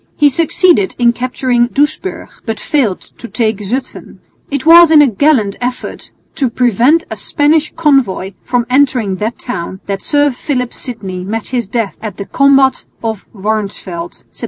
He succeeded in capturing Doesburg, but failed to take Zutphen. It was in a gallant effort to prevent a Spanish convoy from entering that town that Sir Philip Sidney met his death at the combat of Warnsfeld (Sept.